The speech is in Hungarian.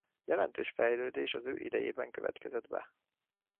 Jelentős fejlődés az ő idejében következett be.